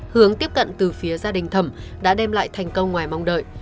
hướng tiếp cận từ phía gia đình thẩm đã đem lại thành công ngoài mong đợi